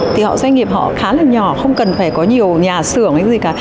thì họ doanh nghiệp họ khá là nhỏ không cần phải có nhiều nhà xưởng hay gì cả